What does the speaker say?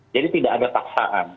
jadi tidak ada paksaan